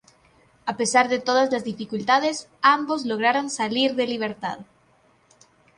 A pesar de todas las dificultades, ambos lograron salir de libertad.